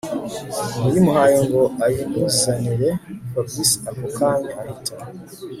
uyimuhaye ngo ayimuzanire Fabric ako kanya ahita